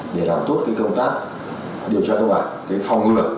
để làm tốt công tác điều tra công ảnh phòng ngư lực